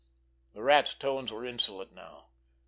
The Rat's tones were insolent now.